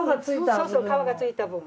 そうそう皮がついた。